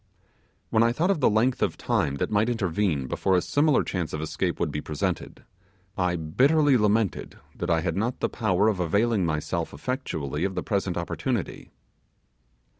When I thought of the length of time that might intervene before a similar chance of escape would be presented, I bitterly lamented that I had not the power of availing myself effectually of the present opportunity.